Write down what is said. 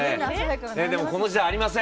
でもこの時代、ありません